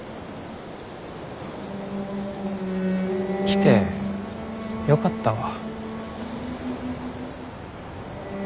来てよかったわ。